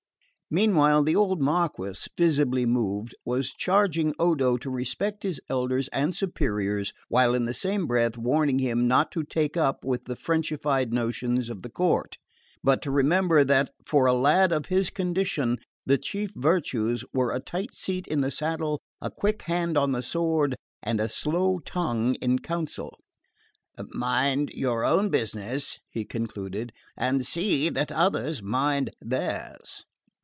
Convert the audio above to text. Meanwhile the old Marquess, visibly moved, was charging Odo to respect his elders and superiors, while in the same breath warning him not to take up with the Frenchified notions of the court, but to remember that for a lad of his condition the chief virtues were a tight seat in the saddle, a quick hand on the sword and a slow tongue in counsel. "Mind your own business," he concluded, "and see that others mind theirs."